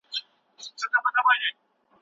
انټرنېټ د سوداګرۍ پراختیا اسانوي.